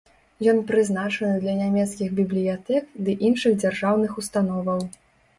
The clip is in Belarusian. Ён прызначаны для нямецкіх бібліятэк ды іншых дзяржаўных установаў.